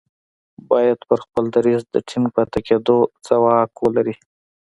بايد پر خپل دريځ د ټينګ پاتې کېدو ځواک ولري.